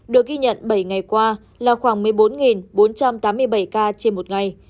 được ghi nhận bảy ngày qua là khoảng một mươi bốn bốn trăm tám mươi bảy ca trên một ngày